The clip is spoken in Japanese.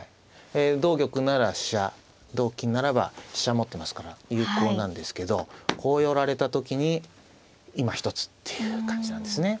同玉なら飛車同金ならば飛車持ってますから有効なんですけどこう寄られた時にいまひとつっていう感じなんですね。